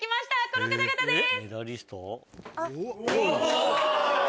この方々です。